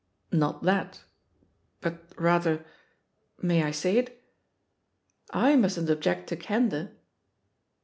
"Not that. But rather — ^may I say it?" "J mustn't object to candour."